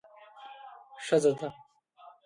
ښځه ده.